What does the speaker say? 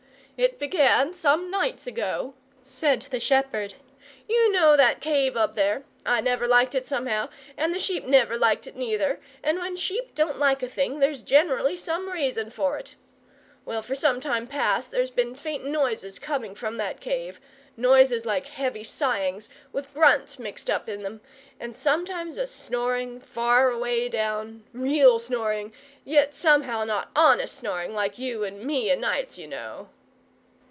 "It began some nights ago," said the shepherd. "You know that cave up there I never liked it, somehow, and the sheep never liked it neither, and when sheep don't like a thing there's generally some reason for it. Well, for some time past there's been faint noises coming from that cave noises like heavy sighings, with grunts mixed up in them; and sometimes a snoring, far away down REAL snoring, yet somehow not HONEST snoring, like you and me o'nights, you know!"